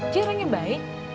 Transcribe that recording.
dia orang yang baik